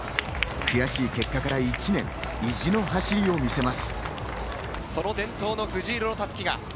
悔しい結果から１年、意地の走りを見せます。